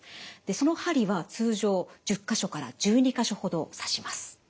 その針は通常１０か所から１２か所ほど刺します。